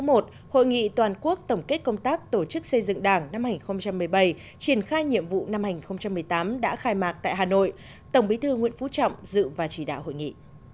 hội nghị toàn quốc tổng kết công tác tổ chức xây dựng đảng năm hai nghìn một mươi bảy triển khai nhiệm vụ năm hai nghìn một mươi tám đã khai mạc tại hà nội tổng bí thư nguyễn phú trọng dự và chỉ đạo hội nghị